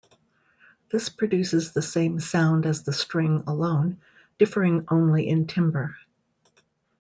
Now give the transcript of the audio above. This produces the same sound as the string alone, differing only in timbre.